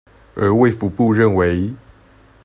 而衛福部認為